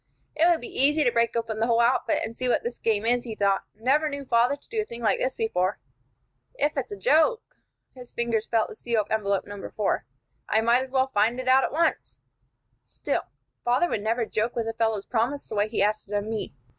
"It would be easy to break open the whole outfit, and see what this game is," he thought. "Never knew father to do a thing like this before. If it's a joke," his fingers felt the seal of envelope No. 4, "I might as well find it out at once. Still, father never would joke with a fellow's promise the way he asked it of me.